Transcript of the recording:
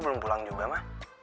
belum pulang juga ma